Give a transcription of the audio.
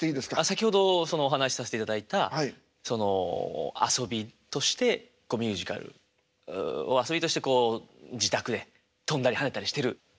先ほどお話しさせていただいたその遊びとしてミュージカル遊びとしてこう自宅で跳んだり跳ねたりしてる。